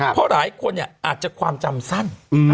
เพราะหลายคนอาจจะความจำสั้น